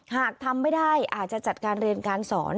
หากทำไม่ได้อาจจะจัดการเรียนการสอน